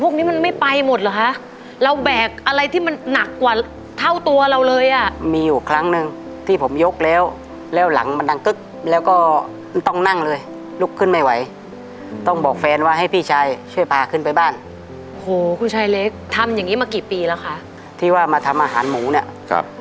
เขาให้วันเท่าไหร่ครับค่าแรงวันหนึ่งสามร้อยหกสิบห้าบาทครับ